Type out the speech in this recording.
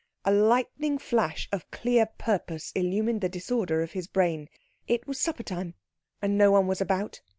A lightning flash of clear purpose illumined the disorder of his brain. It was supper time, and no one was about.